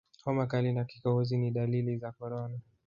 homa kali na kikohozi ni dalili za korona